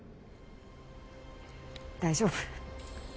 大丈夫。